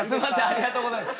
ありがとうございます。